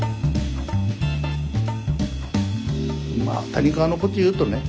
まあ谷川のこと言うとね